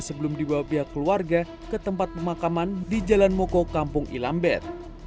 sebelum dibawa pihak keluarga ke tempat pemakaman di jalan moko kampung ilambet